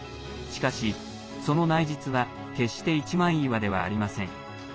しかし、その内実は決して一枚岩ではありません。